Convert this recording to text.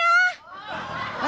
terima kasih sama sama